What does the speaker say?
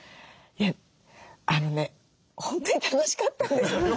いや本当に楽しかったんです。